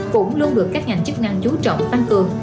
cũng luôn được các ngành chức năng chú trọng tăng cường